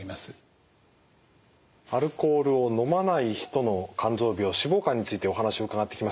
アルコールを飲まない人の肝臓病脂肪肝についてお話を伺ってきました。